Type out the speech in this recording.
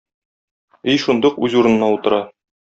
Өй шундук үз урынына утыра.